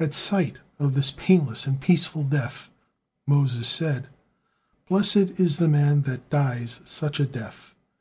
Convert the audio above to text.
At sight of this painless and peaceful death, Moses said: "Blessed is the man that dies such a death!"